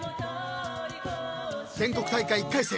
［全国大会１回戦